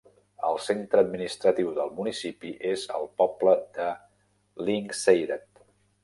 El centre administratiu del municipi és el poble de Lyngseidet.